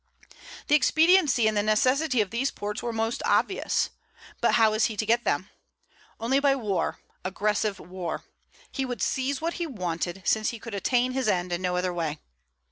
The expediency and the necessity of these ports were most obvious. But how was he to get them? Only by war, aggressive war. He would seize what he wanted, since he could attain his end in no other way.